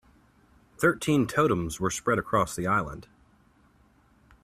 Thirteen totems were spread across this island.